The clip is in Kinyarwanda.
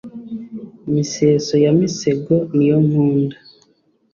miseso ya misego niyo nkunda